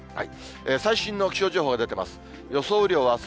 最新の気象情報出てます。